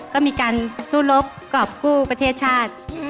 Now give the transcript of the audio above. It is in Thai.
ก็มีการสู้รบกรอบกู้ประเทศชาติ